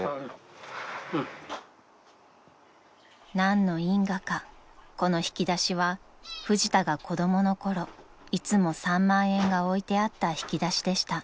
［何の因果かこの引き出しはフジタが子供のころいつも３万円が置いてあった引き出しでした］